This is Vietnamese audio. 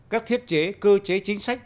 các thiết chế cơ chế chính sách